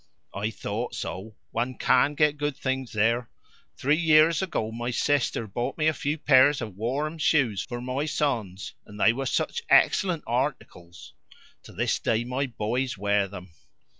"I thought so. One CAN get good things there. Three years ago my sister brought me a few pairs of warm shoes for my sons, and they were such excellent articles! To this day my boys wear them.